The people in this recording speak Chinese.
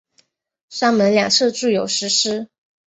山门两侧筑有石狮。